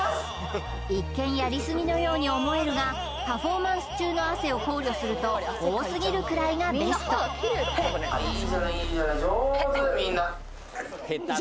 一見やりすぎのように思えるがパフォーマンス中の汗を考慮すると多すぎるくらいがベストいいじゃないいいじゃない上手